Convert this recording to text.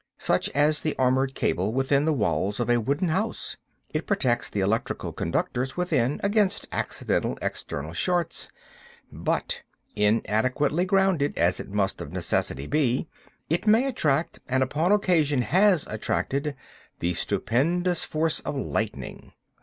Such as the armored cable within the walls of a wooden house. It protects the electrical conductors within against accidental external shorts; but, inadequately grounded as it must of necessity be, it may attract and upon occasion has attracted the stupendous force of lightning.